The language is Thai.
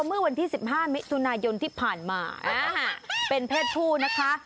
เมื่อวันที่๑๕มิถุนายนที่ผ่านมาเป็นเพศผู้นะคะ